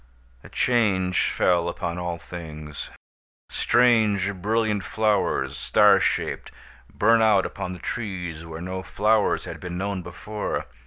A change fell upon all things. Strange, brilliant flowers, star shaped, burn out upon the trees where no flowers had been known before.